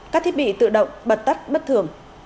các thiết bị tự động bật tắt bất thường